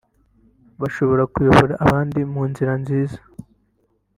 bashobora kuyobora abandi mu nzira nziza